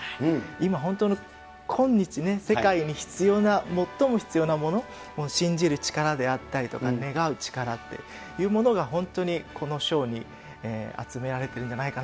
今、本当の、今日ね、世界に必要な、最も必要なもの、信じる力であったりとか、願う力っていうものが本当にこのショーに集められているんじゃな